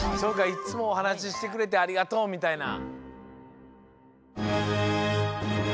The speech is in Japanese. いっつもおはなししてくれてありがとうみたいな。